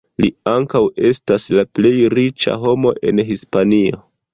Li ankaŭ estas la plej riĉa homo en Hispanio.